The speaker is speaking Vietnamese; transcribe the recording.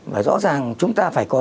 và rõ ràng chúng ta phải có